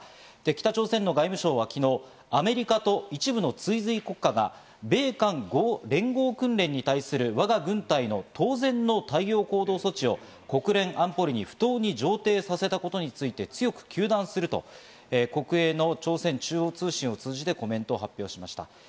北朝鮮の外務省は昨日、アメリカと一部の追随国家が米韓連合訓練に対するわが軍隊の当然の対応、行動措置を国連安保理に不当に上程させたことについて強く糾弾すると国営の朝鮮中央通信を通じてコメントを発表しました。